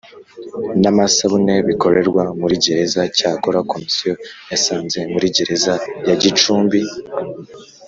n amasabune bikorerwa muri gereza Cyakora Komisiyo yasanze muri gereza ya Gicumbi